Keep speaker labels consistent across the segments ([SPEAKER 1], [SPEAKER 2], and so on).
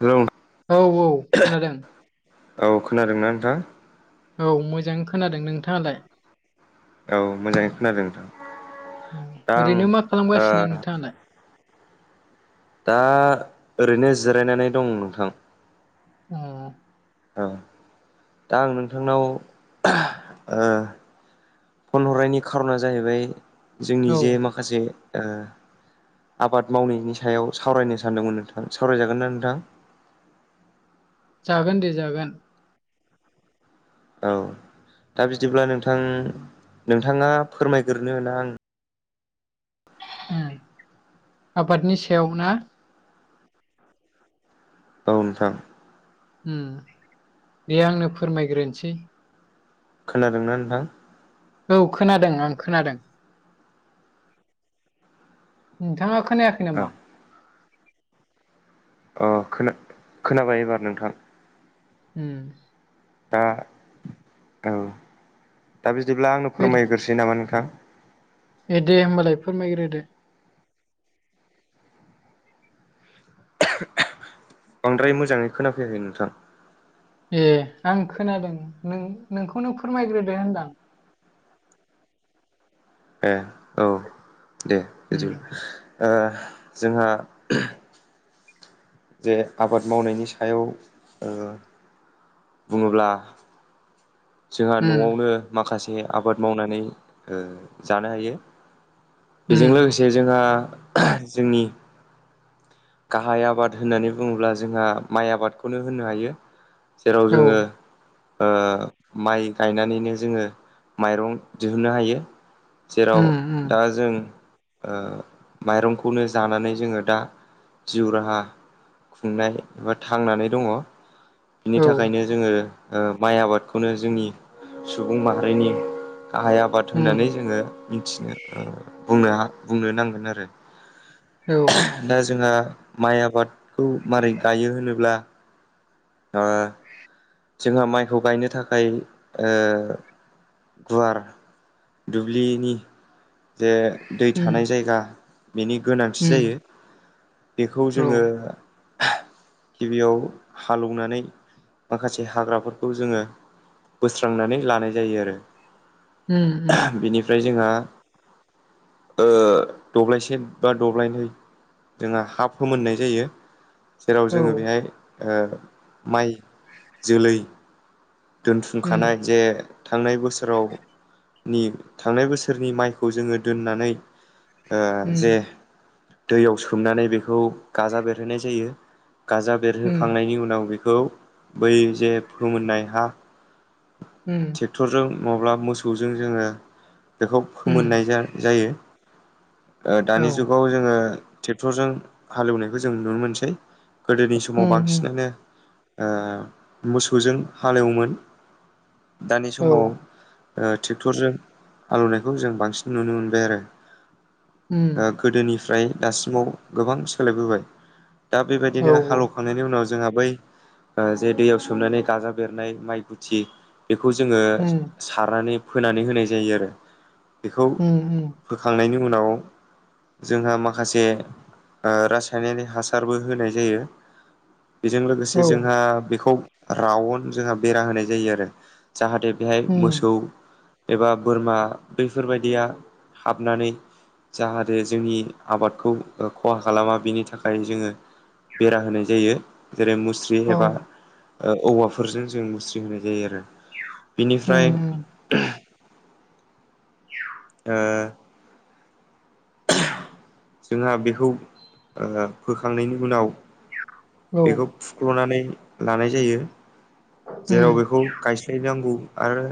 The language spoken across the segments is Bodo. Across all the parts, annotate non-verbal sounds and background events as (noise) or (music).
[SPEAKER 1] जों
[SPEAKER 2] औ औ खोनादों
[SPEAKER 1] औ खोनादोंना नोंथां
[SPEAKER 2] औ मोजां खोनादों नोंथाङालाय
[SPEAKER 1] औ मोजाङै खोनादों नोंथां दा आं
[SPEAKER 2] ओरैनो मा
[SPEAKER 1] ओ
[SPEAKER 2] खालामगासिनो नोंथाङालाय
[SPEAKER 1] दा ओरैनो जिरायनानै दं नोंथां
[SPEAKER 2] (unintelligible)
[SPEAKER 1] औ दा आं नोंथांनाव फन हरनायनि खार'ना जाहैबाय जोंनि
[SPEAKER 2] औ
[SPEAKER 1] जे माखासे आबाद मावनायनि सायाव सावरायनो सानदोंमोन नोंथां सावरायजागोन ना नोंथां?
[SPEAKER 2] जागोन दे जागोन।
[SPEAKER 1] औ दा बिदिब्ला नोंथां नोंथाङा फोरमायग्रो होना आं
[SPEAKER 2] आबादनि सायाव ना?
[SPEAKER 1] औ नोंथां।
[SPEAKER 2] दे आंनो फोरमायग्रोनोसै।
[SPEAKER 1] खोनादोंना नोंथां?
[SPEAKER 2] औ खोनादों आं खोनादों नोंथाङा खोनायाखै
[SPEAKER 1] औ
[SPEAKER 2] नामा
[SPEAKER 1] औ खोनाबाय एबार नोंथां
[SPEAKER 2] हम
[SPEAKER 1] दा औ दा बिदिब्ला आंनो
[SPEAKER 2] ओद
[SPEAKER 1] फोरमायग्रोसै नामा नोंथां
[SPEAKER 2] ए दे होम्बालाय फोरमायग्रो दे
[SPEAKER 1] बांद्राय मोजाङै खोनाफैायाखै नोंथां।
[SPEAKER 2] ए आं खोनादों नों नोंखौ नों फोरमायग्रोदो होनदां।
[SPEAKER 1] ए औ दे बिदि जोंहा जे आबाद मावनायनि सायाव ओ बुङोब्ला जोंहा न'आवनो माखासे आबाद मावनानै ओ जानो हायो। बेजों लोगोसे जोंहा जोंनि गाहाय आबाद होननानै बुङोब्ला जोंहा माइ आबादखौनो होननो हायो। जेराव
[SPEAKER 2] औ
[SPEAKER 1] जोङो ओ माइ गायनानैनो जोङो माइरं दिहुननो हायो। जेराव
[SPEAKER 2] उम उम
[SPEAKER 1] दा जों ओ माइरंखौनो जानानै जोङो दा जिउ राहा खुंनाय एबा थांनानै दङ। बिनि
[SPEAKER 2] औ
[SPEAKER 1] थाखायनो जोङो ओ माइ आबादखौनो जोंनि सुबुं माहारिनि गाहाय आबाद
[SPEAKER 2] उम
[SPEAKER 1] होननानै जोङो मिथिनो बुंनो नांगोन आरो।
[SPEAKER 2] औ।
[SPEAKER 1] दा जोंहा माइ आबादखौ मारै गायो होनोब्ला? आ। जोंहा माइखौ गायनो थाखाय ओ गुवार दुब्लिनि जे दै थानाय जायगा बेनि गोनांथि
[SPEAKER 2] उम
[SPEAKER 1] जायो। बेखौ
[SPEAKER 2] औ
[SPEAKER 1] जोङो गिबियाव हालौवनानै माखासे हाग्राफोरखौ जोङो। बोस्रांनानै लानाय जायो आरो,
[SPEAKER 2] उम उम
[SPEAKER 1] बेनिफ्राय जोंहा ओ दब्लायसे बा दब्लायनै जोंहा हा फोमोननाय जायो। जेराव
[SPEAKER 2] औ
[SPEAKER 1] जोङो बेहाय ओ माइ जोलै दोनथुमखानाय
[SPEAKER 2] उम
[SPEAKER 1] जे थांनाय बोसोराव थांनाय बोसोरनि माइखौ जोङो दोननानै ओ जे
[SPEAKER 2] उम
[SPEAKER 1] दैयाव सोमनानै बेखौ गाजा बेरहोननाय जायो गाजा
[SPEAKER 2] उम
[SPEAKER 1] बेरहोखांनायनि उनाव बेखौ बै जे फोमोननाय हा
[SPEAKER 2] उम।
[SPEAKER 1] ट्रेक्टरजों नङाब्ला मोसौजों जोङो बेखौ
[SPEAKER 2] उम
[SPEAKER 1] फोमोननाय जायो।
[SPEAKER 2] औ
[SPEAKER 1] दानि जुगाव जोङो ट्रेक्टरजों हालेवनायखौ जों नुनो मोनसै। गोदोनि समाव
[SPEAKER 2] उम उम
[SPEAKER 1] बांसिनानो ओ मोसौजों हालेवोमोन। दानि
[SPEAKER 2] औ
[SPEAKER 1] समाव ओ ट्रेक्टरजों हालौवनायखौ जों बांसिन नुनो मोनबाय आरो। ओ
[SPEAKER 2] उम
[SPEAKER 1] गोदोनिफ्राय दासिमाव गोबां सोलायबोबाय दा
[SPEAKER 2] औ
[SPEAKER 1] बेबायदिनो हालौ खांनायनि उनाव जोंहा बै जे दैयाव सोमनानै गाजा बेरनाय माइ गुथि बेखौ जोङो
[SPEAKER 2] उम
[SPEAKER 1] सारनानै फोनानै होनाय जायो आरो बेखौ
[SPEAKER 2] उम उम
[SPEAKER 1] फोखांनायनि उनाव जोंहा माखासे ओ रासायनारि हासारबो होनाय जायो। बेजों लोगोसे
[SPEAKER 2] औ
[SPEAKER 1] जोंहा बेखौ रावन जोंहा बेरा होनाय जायो आरो जाहाथे बेहाय
[SPEAKER 2] उम
[SPEAKER 1] मोसौ एबा बोरमा बैफोरबायदिया हाबनानै जाहाथे जोंनि आबादखौ ओ खहा खालामा बिनि थाखाय जोङो बेरा होनाय जायो जेरै मुस्रि
[SPEAKER 2] औ
[SPEAKER 1] मुस्रि एबा ओ औवाफोरजों जों मुस्रि होनाय जायो आरो,
[SPEAKER 2] उम
[SPEAKER 1] बेनिफ्राय (unintelligible)
[SPEAKER 2] (inaudible)
[SPEAKER 1] ओ
[SPEAKER 2] (inaudible)
[SPEAKER 1] जोंहा बेखौ ओ फोखांनायनि उनाव
[SPEAKER 2] औ
[SPEAKER 1] बेखौ फुख्ल'नानै लानाय जायो जेराव
[SPEAKER 2] उम
[SPEAKER 1] बेखौ गायस्लायनांगौ आरो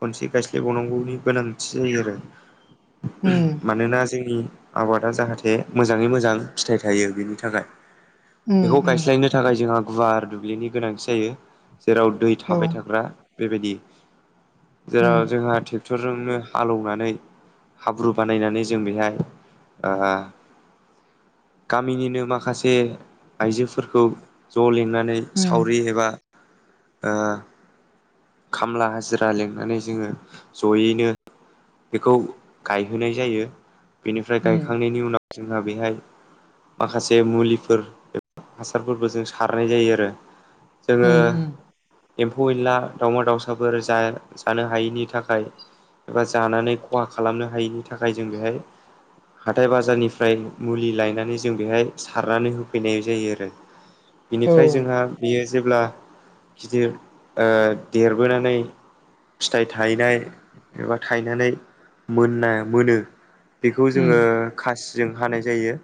[SPEAKER 1] खनसे गायस्लायबावनांगौनि गोनां थि जायो आरो
[SPEAKER 2] उम
[SPEAKER 1] (unintelligible) मानोना जोंनि आबादा जाहाथे मोजाङै मोजां फिथाइ थायो बेनि थाखाय।
[SPEAKER 2] उम
[SPEAKER 1] बेखौ
[SPEAKER 2] उम
[SPEAKER 1] गायस्लायनो थाखाय जोंहा गुवार दुब्लिनि गोनांथि जायो। जेराव दै
[SPEAKER 2] औ
[SPEAKER 1] थाबाय थाग्रा बेबायदि। जेराव
[SPEAKER 2] उम
[SPEAKER 1] जोंहा तरजोंनो हालौवनानै हाब्रु बानायनानै जों बेहाय ओ गामिनिनो माखासे आइजोफोरखौ ज' लिंनानै
[SPEAKER 2] उम उम
[SPEAKER 1] सावरि एबा ओ खामला हाजिरा लिंनानै जोङो जयैनो बेखौ गायहोनाय जायो। बेनिफ्राय गायखांनायनि उनाव जोंहा बेहाय माखासे मुलिफोर हासारफोरबो जों सारनाय जायो आरो।
[SPEAKER 2] उम औ उम औ उम
[SPEAKER 1] जोङो एम्फौ-एनला, दाउमा-दाउसाफोर जा जानो हायैनि थाखाय एबा जानानै खहा खालामनो हायैनि थाखाय जों बेहाय हाथाइ बाजारनिफ्राय मुलि लायनानै जों बेहाय सारनानै होफैनाय जायो आरो।
[SPEAKER 2] औ उम औ
[SPEAKER 1] बिनिफ्राय
[SPEAKER 2] उम
[SPEAKER 1] जोंहा बेयो जेब्ला गिदिर ओ देरबोनानै फिथाइ थायनाय एबा थायनानै मोनना मोनो बेखौ जोङो खासिजों हानाय जायो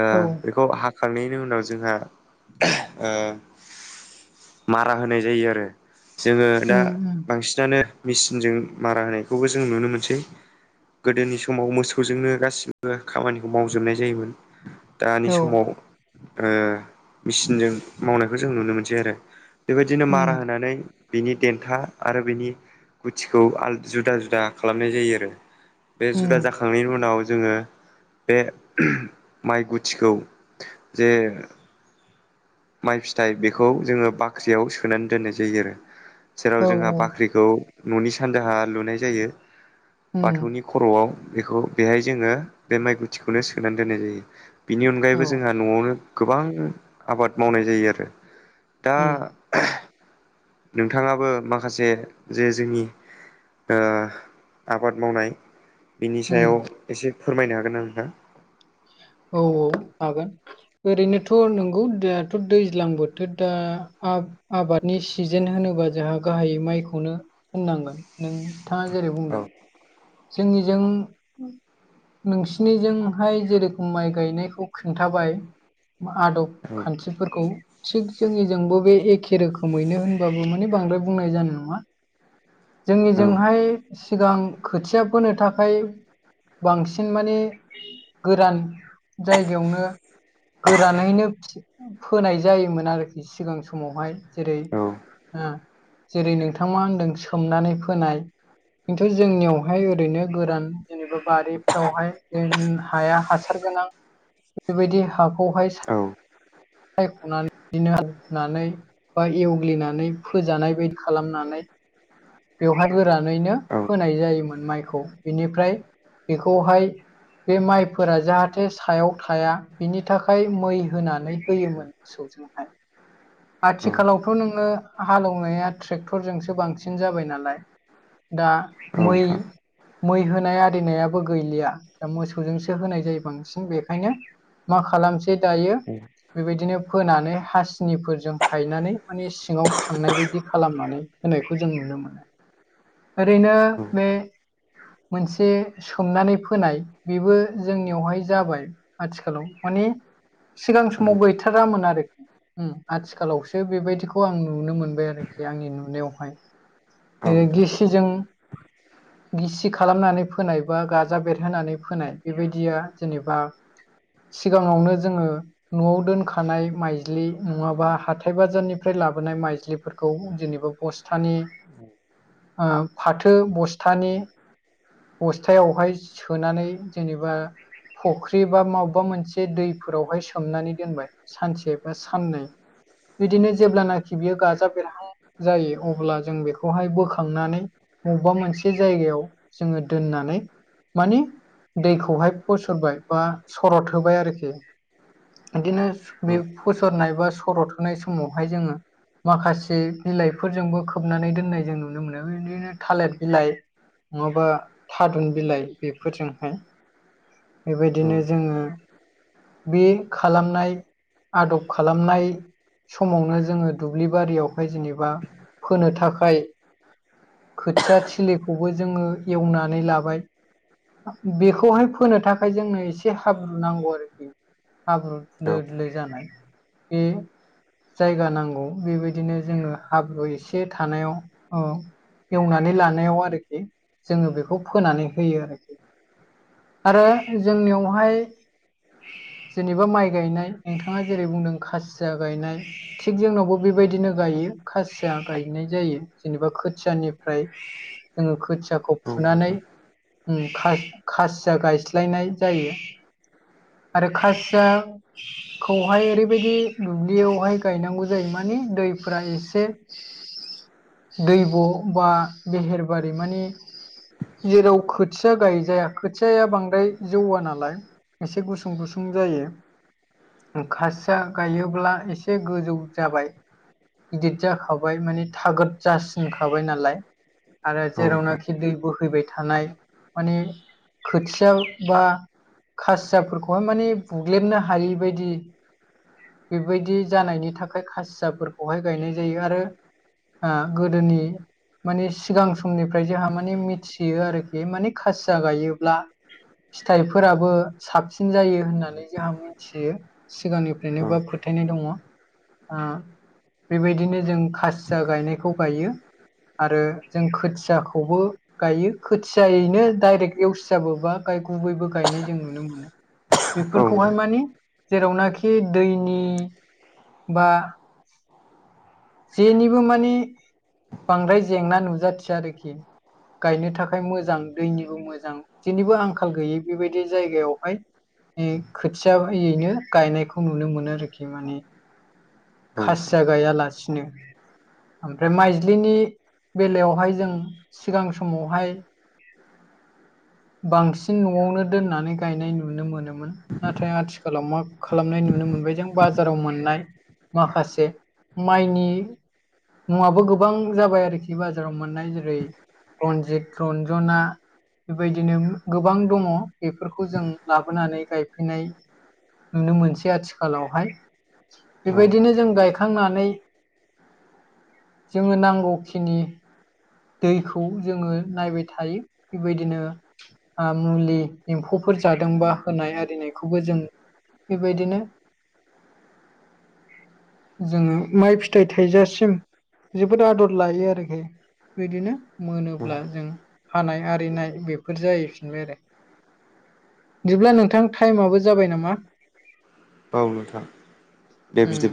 [SPEAKER 1] ओ बेखौ हा हाखांनायनि उनाव जोंहा (unintelligible) ओ मारा होनाय जायो आरो। जोङो दा बांसिनानो मेचिनजों मारा होनायखौबो जों नुनो मोनसै। गोदोनि समाव मोसौजोंनो गासिबो खामानिखौ मावजोबनाय जायोमोन। दानि समाव ओ मिसिनजों मावनायखौ जों नुनो मोनसै आरो। बेबायदिनो मारा होनानै बिनि देथा आरो बिनि गुथिखौ आल जुदा जुदा खालामनाय जायो आरो बे जुदा जाखां खांनायनि उनाव जोङो बे (unintelligible) माइ गुथिखौ जे माइ फिथाइ बेखौ जोङो बाख्रियाव सोनानै दोननाय जायो आरो जेराव जोंहा बाख्रि खौ न'नि सानजाहा लुनाय जायो बाथौनि खर'आव बेखौ बेहाय जोङो बे माइ गुथिखौनो सोनानै दोननाय जायो। बेनि
[SPEAKER 2] औ
[SPEAKER 1] अनगायैबो जोंहा न'आवनो गोबां आबाद मावनाय जायो आरो दा
[SPEAKER 2] उम
[SPEAKER 1] (unintelligible) नोंथाङाबो माखासे जे जोंनि ओ आबाद मावनाय बिनि
[SPEAKER 2] उम
[SPEAKER 1] सायाव एसे फोरमायनो हागोन ना नोंथां?
[SPEAKER 2] औ औ हागोन। ओरैनोथ' नंगौ दाथ' दैज्लां बोथोर दा आ आबादनि सिजोन होनोबा जोंहा गाहायै माइखौनो होननांगोन। नोंथाङा जेरै
[SPEAKER 1] औ
[SPEAKER 2] बुंदों जोंनिजों नोंसिनिजोंहाय जेरेखम माइ गायनायखौ खोन्थाबाय आदब
[SPEAKER 1] औ
[SPEAKER 2] खान्थिफोरखौ थिग जोंनिजोंबो बे एखे रोखोमैनो होनबाबो माने बांद्राय बुंनाय जानाय नङा
[SPEAKER 1] औ
[SPEAKER 2] जोंनिजोंहाय सिगां खोथिया फोनो थाखाय बांसिन माने गोरान जायगायावनो गोरानैनो फोनाय जायोमोन आरोखि सिगां समावहाय जेरै ओ जेरै नोंथां थां मा होनदों सोमनानै फोनाय खिन्थु जोंनियावहाय ओरैनो गोरान जेनेबा बारिफ्रावहाय जेन हाया हासार गोनां बेबायदि हाखौहाय सा
[SPEAKER 1] औ
[SPEAKER 2] सायख'नानै नो होनानै बा एवग्लिनानै फोजानाय बायदि खालामनानै बेवहाय गोरानैनो
[SPEAKER 1] औ
[SPEAKER 2] फोनाय जायोमोन माइखौ बेनिफ्राय बेखौहाय बे माइफोरा जाहाथे सायाव थाया बिनि थाखाय मै होनानै होयोमोन मोसौजोंहाय
[SPEAKER 1] औ
[SPEAKER 2] आथिखालावथ' नोङो हालौनाया ट्रेक्टर फोरजोंसो बांसिन जाबाय नालाय दा मै
[SPEAKER 1] नोंथां
[SPEAKER 2] मै होनाय आरिनायाबो गैलिया दा मोसौजोंसो होनाय जायो बांसिन बेखायनो मा खालामसै दायो
[SPEAKER 1] औ
[SPEAKER 2] बेबायदिनो फोनानै हासिनिफोरजों हायनानै माने सिङाव थांनाय बायदि खालामनानै होनायखौ जों नुनो मोनो ओरैनो
[SPEAKER 1] औ
[SPEAKER 2] बे मोनसे सोमनानै फोनाय बेबो जोंनियावहाय जाबाय। आथिखालाव माने सिगां
[SPEAKER 1] औ
[SPEAKER 2] समाव गैथारामोन आरो। उम आथिखालावसो बेबायदिखौ आं नुनो मोनबाय आरोखि आंनि नुनायावहाय।
[SPEAKER 1] नोंथां औ
[SPEAKER 2] ओ
[SPEAKER 1] नोंथां
[SPEAKER 2] गिसिजों गिसि खालामनानै फोनाय बा गाजा बेरहोनानै फोनाय बेबायदिया जेनेबा सिगाङावनो जोङो न'आव दोनखानाय माइज्लि नङाबा हाथाय बाजारनिफ्राय लाबोनाय माइज्लि फोरखौ जेनेबा बस्थानि‌
[SPEAKER 1] औ
[SPEAKER 2] फाथो बस्थानि बस्थायावहाय सोनानै जेनेबा फुख्रि बा मबेबा मोनसे दैफोरावहाय सो सोमनानै दोनबाय सानसे बा साननै बिदिनो जेब्लानाखि बियो गाजा बेरहां जायो अब्ला जों बेखौहाय बोखांनानै बबेबा मोनसे जायगायाव जोङो दोननानै माने दैखौहाय फसरबाय बा सरद होबाय आरोखि। बिदिनो बे
[SPEAKER 1] औ
[SPEAKER 2] फुसरनाय बा सर' होनाय समावहाय जोङो माखासे बिलाइफोरजोंबो खोबनानै दोननाय जों नुनो मोनो बिदिनो थालिर बिलाइ नङाबा थादुन बिलाइ बेफोरजोंहाय बेबायदिनो
[SPEAKER 1] नोंथां
[SPEAKER 2] जोङो बे खालामनाय आदब खालामनाय समावनो जोङो दुब्लि बारियावहाय जेनेबा फोनो थाखाय खोथिया थिलिखौबो जोङो एवनानै लाबाय बेखौहाय फोनो थाखाय जोंनो एसे हाब्रु नांगौ आरोखि। हाब्रु
[SPEAKER 1] औ
[SPEAKER 2] लोर लोर जानाय बे जायगा नांगौ बेबायदिनो जोङो हाब्रु एसे थानायाव अ एवनानै लानायाव आरोखि जोङो बेखौ फोनानै होयो आरोखि। आरो जोंनियावहाय जेनेबा माइ गायनाय नोंथाङा जेरै बुंदों खासिया गायनाय थिग जोंनावबो बेबायदिनो गायो खासिया गायनाय जायो। जेनेबा खोथियानिफ्राय जोंङो खोथिया खौ
[SPEAKER 1] नोंथां औ
[SPEAKER 2] फुनानै
[SPEAKER 1] नोंथां
[SPEAKER 2] उम खासि-खासिया गायस्लायनाय जायो। आरो खासिया खौहाय ओरैबायदि दुब्लियावहाय गायनांगौ जायो माने दैफ्रा एसे दैब' बा बेहेरबारि मानि जेराव खोथिया गायजाया खोथियाया बांद्राय जौवा नालाय एसे गुसुं सुं गुसुं जायो। खासिया गायोब्ला एसे गोजौ जाबाय। गिदिट जाखाबाय माने थागद जासिनखाबाय नालाय आरो जेरावनाखि दै बोहैबाय थानाय‌ माने खोथिया बा खासियाफोरखौ खौहाय माने बुग्लेबनो हायि बायदि बेबायदि जानायनि थाखाय खासियाफोरखौहाय गायनाय जायो आरो ओ‌ गोदोनि मानिे सिगां समनिफ्राय जोंहा माने मिथियो आरोखि माने खासिया गायोब्ला फिथाइफोराबो साबसिन जायो होननानै जोंहा मिथियो सिगांनिफ्रायनो बा फो फोथायनाय दङ ओ बेबायदिनो जों खासिया गायनायखौ गायो। आरो जों खोथियाखौबो गायो खोथियायैनो दडाइरेक्ट एवसि जाबोबा गाय गुबैबो गायनाय जों नुनो मोनो।
[SPEAKER 1] औ
[SPEAKER 2] बेफोरखौहाय मानि जेरावनाखि दैनि बा जेनिबो माने बांद्राय जेंना नुजाथिया आरोखि गायनो थाखाय मोजां दैनिबो मोजां जेनिबो आंखाल गैयै बेबायदि जायगायावहाय खोथियैनो गायनायखौ नुनो मोनो आरोखि माने खासिया गायालासिनो ओमफ्राय माइज्लिनि बेलायावहाय जों सिगां समावहाय
[SPEAKER 1] (inaudible)
[SPEAKER 2] बांसिन न'आवनो दोननानै गायनाय नुनो मोनोमोन। नाथाय आथिखालाव मा खालामनाय नुनो मोनबाय जों बाजाराव मोननाय माखासे माइनि मुङाबो गोबां जाबाय आरो खाथि बाजाराव मोननाय जेरै रनजित रन्जना बेबायदिनो गोबां दङ बेफोरखौ जों लाबोनानै गायफैनाय नुनो मोनसै आथिखालावहाय बेबायदिनो जों गायखांनानै जोङो नांगौखिनि दैखौ जोङो नायबाय थायो बेबायदिनो मुलि एम्फौफोर जादोंबा होनाय आरिनायखौबो जों बेबायदिनो
[SPEAKER 1] (inaudible)
[SPEAKER 2] जोङो माइ फिथाइ थाइजासिम जोबोद आदर लायो आरोखि बिदिनो मोनोब्ला जों हानाय आरिनाय बेफोर जाहैफिनबाय आरो। बिदिब्ला नोंथां टाइमआबो जाबाय नामा?
[SPEAKER 1] औ नोंथां दे
[SPEAKER 2] उम
[SPEAKER 1] बिदिब्ला